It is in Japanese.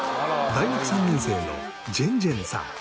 大学３年生のジェンジェンさん。